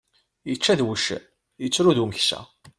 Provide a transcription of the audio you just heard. Ičča d wuccen, ittru d umeksa.